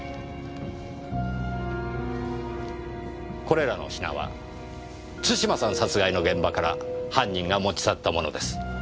これらの品は津島さん殺害の現場から犯人が持ち去った物です。